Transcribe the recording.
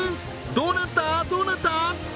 どうなったどうなった？